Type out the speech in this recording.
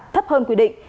thấp hơn quy định